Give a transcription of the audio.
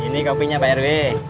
ini kopinya pak rw